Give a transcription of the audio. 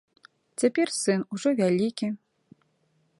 Цяпер сын ужо вялікі.